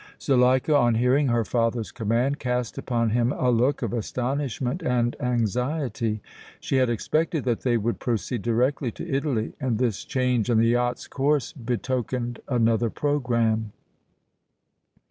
Zuleika, on hearing her father's command, cast upon him a look of astonishment and anxiety. She had expected that they would proceed directly to Italy and this change in the yacht's course betokened another programme.